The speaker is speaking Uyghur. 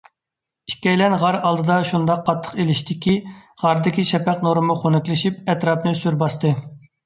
ئىككىيلەن غار ئالدىدا شۇنداق قاتتىق ئېلىشتىكى، غاردىكى شەپەق نۇرىمۇ خۇنۈكلىشىپ، ئەتراپنى سۈر باستى.